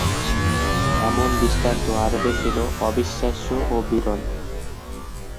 এমন দৃষ্টান্ত আরবে ছিল অবিশ্বাস্য ও বিরল।